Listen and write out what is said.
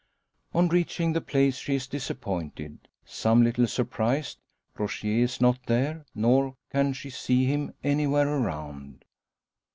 On reaching the place she is disappointed some little surprised. Rogier is not there; nor can she see him anywhere around!